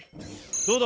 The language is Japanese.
どうだ？